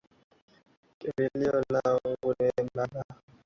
Kimbilio langu ni wewe baba